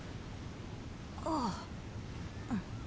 あぁうん。